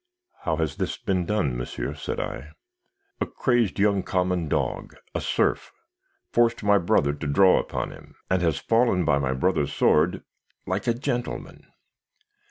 "'How has this been done, monsieur?' said I. "'A crazed young common dog! A serf! Forced my brother to draw upon him, and has fallen by my brother's sword like a gentleman.'